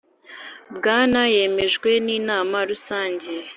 bw Abana yemejwe n Inama Rusange